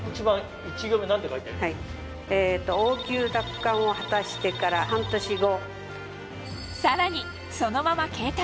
「王宮奪還を果たしてから半年後」。